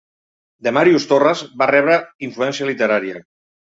De Màrius Torres va rebre influència literària.